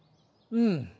うん。